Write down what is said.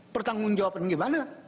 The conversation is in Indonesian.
pertanggung jawaban gimana